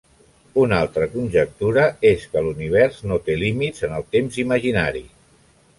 Una altra conjectura és que l'univers no té límits en el temps imaginari.